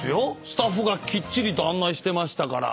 スタッフがきっちりと案内してましたから。